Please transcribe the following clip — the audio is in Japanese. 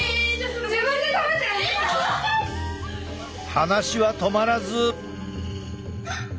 話は止まらず。